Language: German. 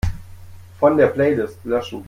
Von der Playlist löschen.